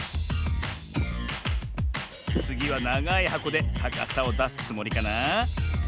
つぎはながいはこでたかさをだすつもりかな？